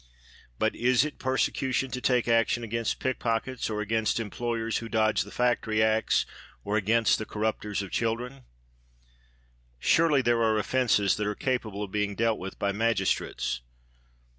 But is it persecution to take action against pickpockets or against employers who dodge the Factory Acts or against the corrupters of children? Surely there are offences that are capable of being dealt with by magistrates.